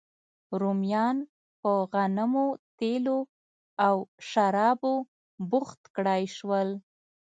رومیان په غنمو، تېلو او شرابو بوخت کړای شول